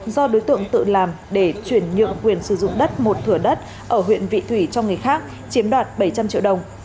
do đối tượng tự làm để chuyển nhượng quyền sử dụng đất một thửa đất ở huyện vị thủy cho người khác chiếm đoạt bảy trăm linh triệu đồng